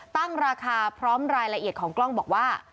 ตั้งราคาพร้อมรายละเอียดของกล้องบอกว่า